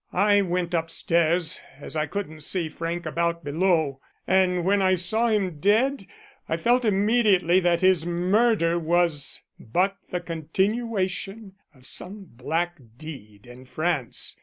I went upstairs, as I couldn't see Frank about below, and when I saw him dead I felt immediately that his murder was but the continuation of some black deed in France.